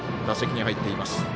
打席に入っています。